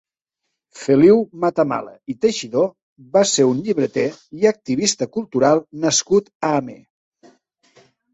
Feliu Matamala i Teixidor va ser un llibreter i activista cultural nascut a Amer.